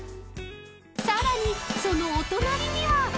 ［さらにそのお隣には］